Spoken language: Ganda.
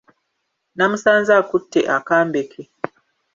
Namusanze akutte akambe ke.